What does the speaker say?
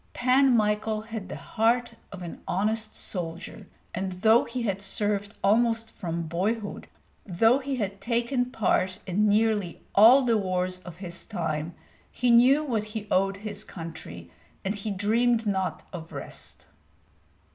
Pan Michael had the heart of an honest soldier; and though he had served almost from boyhood, though he had taken part in nearly all the wars of his time, he knew what he owed his country, and he dreamed not of rest.